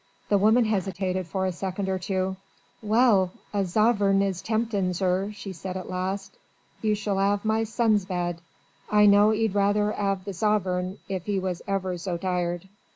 The woman hesitated for a second or two. "Well! a zovereign is tempting, zir," she said at last. "You shall 'ave my son's bed. I know 'e'd rather 'ave the zovereign if 'e was ever zo tired.